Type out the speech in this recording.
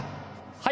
はい！